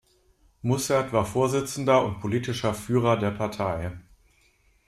Mussert war Vorsitzender und politischer „Führer“ der Partei.